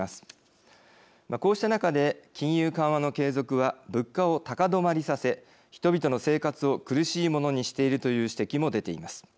こうした中で金融緩和の継続は物価を高止まりさせ人々の生活を苦しいものにしているという指摘も出ています。